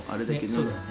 そうだね。